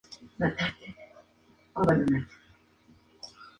Esta versión se encuentra en el álbum "Last Man Standing".